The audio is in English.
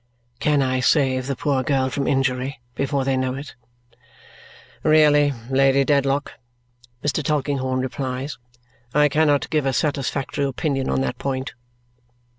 "Can I save the poor girl from injury before they know it?" "Really, Lady Dedlock," Mr. Tulkinghorn replies, "I cannot give a satisfactory opinion on that point."